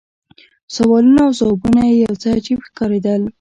سوالونه او ځوابونه یې یو څه عجیب ښکارېدل.